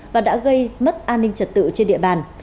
và đã gây mất an ninh trật tự trên địa bàn